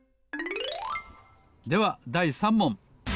ではだい３もん！